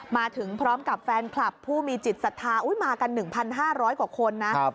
มาถึงพร้อมกับแฟนคลับผู้มีจิตศรัทธามากัน๑๕๐๐กว่าคนนะ